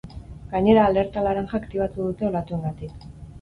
Gainera, alerta laranja aktibatu dute olatuengatik.